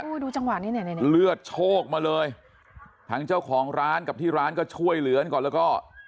ดูจังหวะนี้เนี่ยเลือดโชคมาเลยทางเจ้าของร้านกับที่ร้านก็ช่วยเหลือก่อนแล้วก็